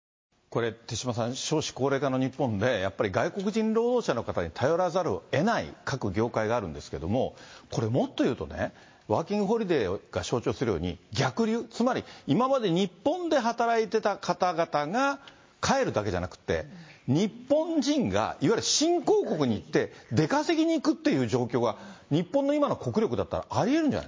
これ、手嶋さん、少子高齢化の日本で、やっぱり外国人労働者の方に頼らざるをえない各業界があるんですけれども、これもっと言うとね、ワーキングホリデーが象徴するように、逆流、つまり今まで日本で働いてた方々が帰るだけじゃなくって、日本人がいわゆる新興国に行って、出稼ぎに行くっていう状況が日本の今の国力だったらありえるんじ